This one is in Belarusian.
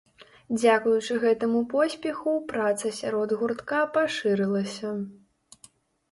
Дзякуючы гэтаму поспеху праца сярод гуртка пашырылася.